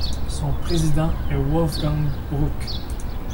Son président est Wolfgang Brück.